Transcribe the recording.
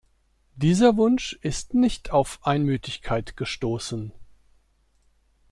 Dieser Wunsch ist nicht auf Einmütigkeit gestoßen.